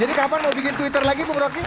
jadi kapan mau bikin twitter lagi bu broki